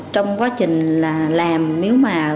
trong quá trình làm nếu mà